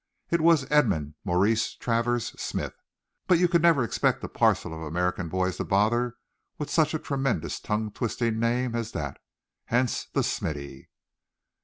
It was Edmund Maurice Travers Smith; but you could never expect a parcel of American boys to bother with such a tremendous tongue twisting name as that. Hence the Smithy.